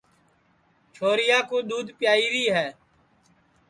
چھوریا کُو دؔودھ پیائیری ہے